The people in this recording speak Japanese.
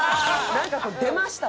なんか「出ました！」